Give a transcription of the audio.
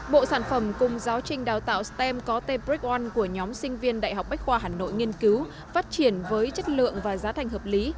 bộ sản phẩm cùng giáo trinh đào tạo stem có tên break on của nhóm sinh viên đại học bách khoa hà nội nghiên cứu phát triển với chất lượng và giá thành hợp lý